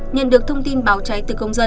nhận được thông tin báo cháy